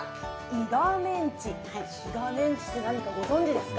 イガメンチって何かご存じですか？